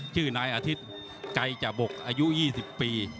ชื่อนายอาทิตย์ไกรจบกอายุ๒๐ปี